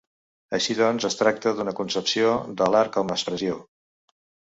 Així doncs es tracta d'una concepció de l'art com expressió.